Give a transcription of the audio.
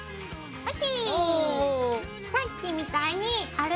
ＯＫ。